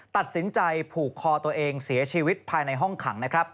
ตัดสินใจผูกคอตัวเองเสียชีวิตภายในห้องขังนะครับ